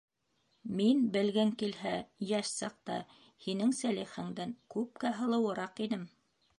Мин, белгең килһә, йәш саҡта һинең Сәлихәңдән күпкә һылыуыраҡ инем.